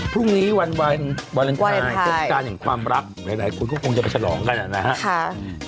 พรุ่งนี้วันวาเลนไทยเทศกาลแห่งความรักหลายคนก็คงจะไปฉลองกันนะครับ